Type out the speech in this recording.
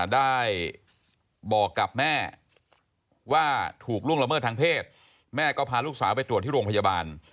ได้บอกกับแม่ว่าถูกล่วงละเมิดทางเพศแม่ก็พาลูกสาวไปตรวจที่โรงพยาบาล